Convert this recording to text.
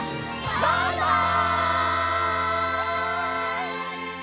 バイバイ！